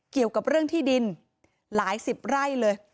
เกี่ยวกับเรื่องที่ดินหลายสิบไร่เลย